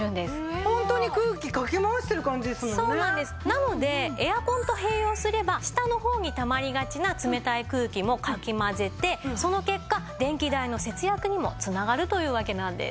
なのでエアコンと併用すれば下の方にたまりがちな冷たい空気もかき混ぜてその結果電気代の節約にも繋がるというわけなんです。